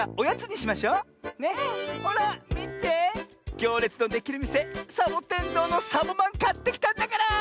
ぎょうれつのできるみせサボテンどうのサボまんかってきたんだから！